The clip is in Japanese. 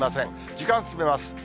時間進めます。